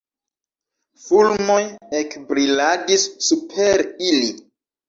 Fulmoj ekbriladis super ili.